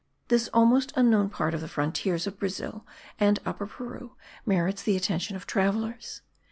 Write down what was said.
This almost unknown part of the frontiers of Brazil and Upper Peru merits the attention of travellers.